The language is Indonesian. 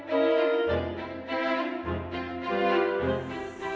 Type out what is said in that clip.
aku juga gak pernah menikah